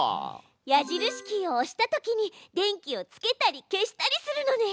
矢印キーを押したときに電気をつけたり消したりするのね！